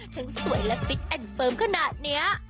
สวยและฟิตแอนด์เฟิร์มขนาดนี้